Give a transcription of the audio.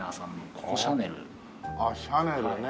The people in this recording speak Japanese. あっシャネルね。